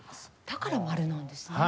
だから丸なんですね。